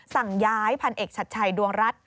สั่งย้ายพันเอกชัดชัยดวงรัฐ